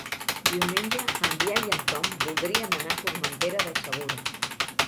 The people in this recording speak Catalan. Diumenge en Biel i en Tom voldrien anar a Formentera del Segura.